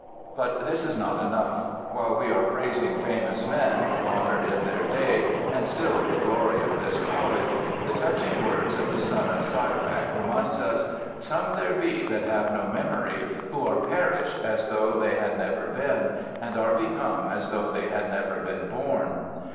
But this is not enough. While we are praising famous men, honoured in their day and still the glory of this College, the touching w^ords of the son of Sirach remind us :' Some there be that have no memory, who are perished as though they had never been, and are become as though they had never been born.'